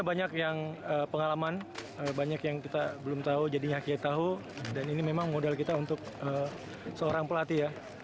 banyak yang pengalaman banyak yang kita belum tahu jadinya kiai tahu dan ini memang modal kita untuk seorang pelatih ya